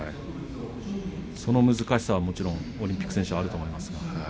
その難しさはオリンピック選手にあると思います。